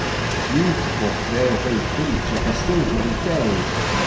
Beautiful Railway Bridge of the Silvery Tay!